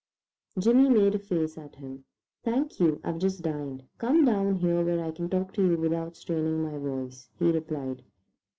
Jimmy made a face at him. "Thank you, I've just dined. Come down here where I can talk to you without straining my voice," he replied.